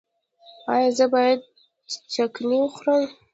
ایا زه باید چکنی وخورم؟